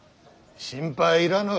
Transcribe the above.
心配いらぬ。